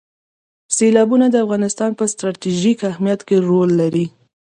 سیلابونه د افغانستان په ستراتیژیک اهمیت کې رول لري.